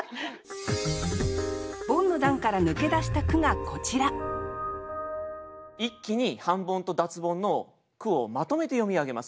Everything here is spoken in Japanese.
ボンの段から抜け出した句がこちら一気に半ボンと脱ボンの句をまとめて読み上げます。